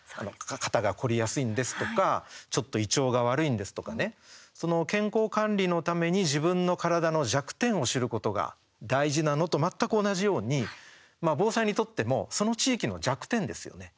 肩が凝りやすいんですとかちょっと胃腸が悪いんですとかねその健康管理のために自分の体の弱点を知ることが大事なのと全く同じように防災にとっても、その地域の弱点ですよね。